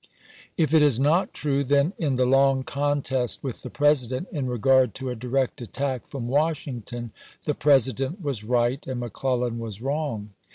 If it is not true, then in the long contest with the Presi dent in regard to a direct attack from Washington the President was right and McClellan was wrong.